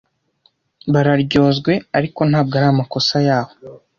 Bararyozwe, ariko ntabwo ari amakosa yabo.